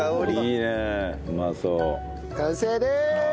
完成です！